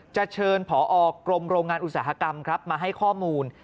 จะเชิญผอกรมโรงงานอุตสาหกรรมครับมาให้ข้อมูล